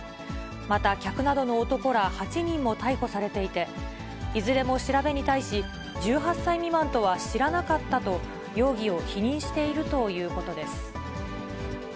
また客などの男ら８人も逮捕されていて、いずれも調べに対し、１８歳未満とは知らなかったと容疑を否認しているということです。